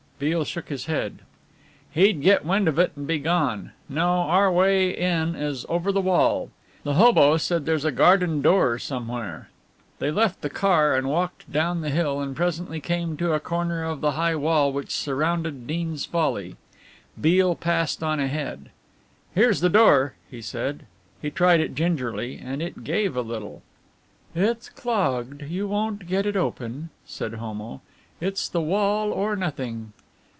Beale shook his head. "He'd get wind of it and be gone. No, our way in is over the wall. The 'hobo' said there's a garden door somewhere." They left the car and walked down the hill and presently came to a corner of the high wall which surrounded Deans Folly. Beale passed on ahead. "Here's the door," he said. He tried it gingerly and it gave a little. "It's clogged, and you won't get it open," said Homo; "it's the wall or nothing."